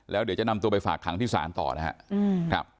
แล้วเดี๋ยวจะนำตัวไปฝากขังที่ศาลต่อนะครับ